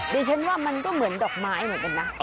ดิฉันว่ามันก็เหมือนดอกไม้เหมือนกันนะ